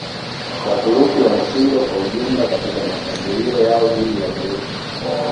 Waturuki walishindwa kwa ujumla katika mashambulio yao dhidi ya Urusi